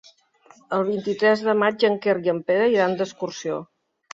El vint-i-tres de maig en Quer i en Pere iran d'excursió.